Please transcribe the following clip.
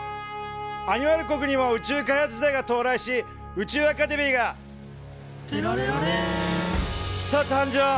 アニマル国にも宇宙開発時代が到来し宇宙アカデミーが「てられられん！」と誕生。